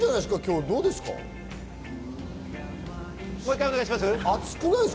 もう一回、お願いします。